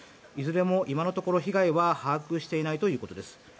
いずれも今のところ被害は把握していないということです。